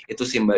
itu sih mbak